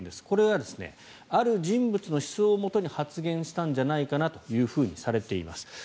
これはある人物の思想をもとに発言したんじゃないかとされています。